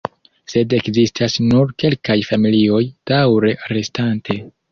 Sed ekzistas nur kelkaj familioj daŭre restante.